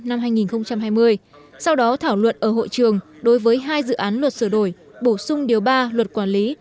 năm hai nghìn hai mươi sau đó thảo luận ở hội trường đối với hai dự án luật sửa đổi bổ sung điều ba luật quản lý